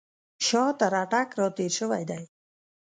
شاه تر اټک را تېر شوی دی.